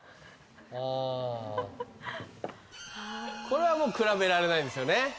これはもう比べられないですよね？